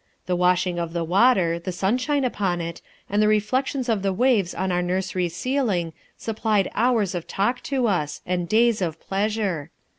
The washing of the water, the sunshine upon it, and the reflections of the waves on our nursery ceiling supplied hours of talk to us, and days of pleasure.